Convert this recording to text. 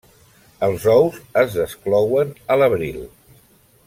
Els ous es desclouen a l'abril.